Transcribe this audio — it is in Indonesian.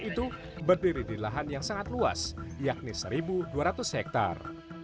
seribu sembilan ratus sembilan puluh sembilan itu berdiri di lahan yang sangat luas yakni seribu dua ratus hektar